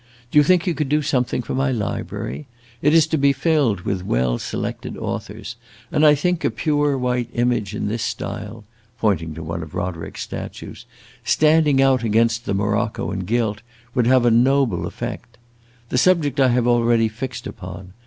Do you think you could do something for my library? It is to be filled with well selected authors, and I think a pure white image in this style," pointing to one of Roderick's statues, "standing out against the morocco and gilt, would have a noble effect. The subject I have already fixed upon.